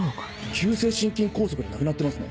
急性心筋梗塞で亡くなってますね。